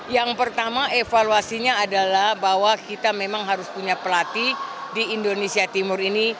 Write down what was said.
yang pertama evaluasinya adalah bahwa kita memang harus punya pelatih di indonesia timur ini